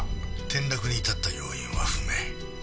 転落に至った要因は不明。